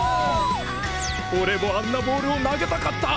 俺もあんなボールを投げたかった！